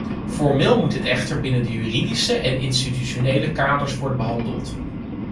Formeel moet dit echter binnen de juridische en institutionele kaders worden behandeld.